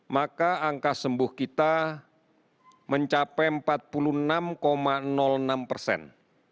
maka angka sembuh kita mencapai empat puluh enam enam persen